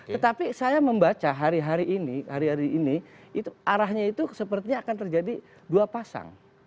tetapi saya membaca hari hari ini arahnya itu sepertinya akan terjadi dua pasang